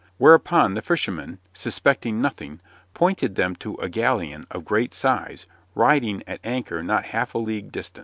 Whereupon the fishermen, suspecting nothing, pointed to them a galleon of great size riding at anchor not half a league distant.